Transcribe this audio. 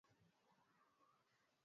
Aliongea maneno machafu.